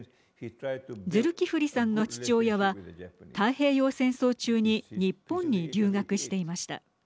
ズルキフリさんの父親は太平洋戦争中に日本に留学していました。